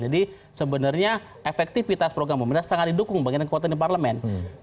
jadi sebenarnya efektivitas program sebenarnya sangat didukung bagian kekuatan di parlemen